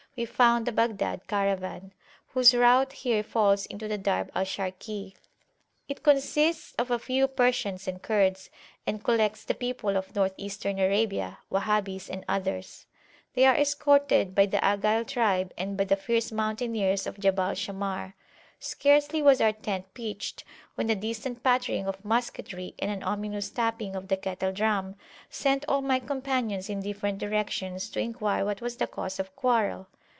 We found the Baghdad Caravan, whose route here falls into the Darb al Sharki. It consists of a few Persians and Kurds, and collects the people of North Eastern Arabia, Wahhabis and others. They are escorted by the Agayl tribe and by the fierce mountaineers of Jabal Shammar. Scarcely was our tent pitched, when the distant pattering of musketry and an ominous tapping of the kettle drum sent all my companions in different directions to enquire what was the cause of quarrel.